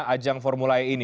ajang formula e ini